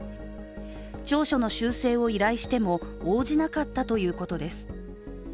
調書の修正を依頼しても応じなかったということです。